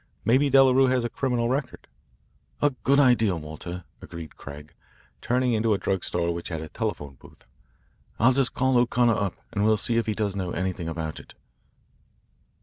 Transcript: Maybe Delarue has a criminal record." "A good idea, Walter," agreed Craig, turning into a drug store which had a telephone booth. "I'll just call O'Connor up, and we'll see if he does know anything about it.